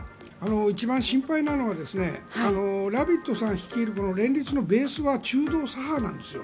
一番心配なのはラピドさん率いる連立のベースは中道左派なんですよ。